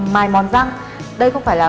mài mòn răng đây không phải là